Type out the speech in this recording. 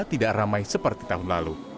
tidak ramai seperti tahun lalu